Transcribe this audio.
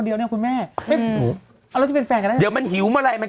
เดี๋ยวมันหิวมาก็แวะมาเอง